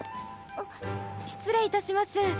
失礼いたします。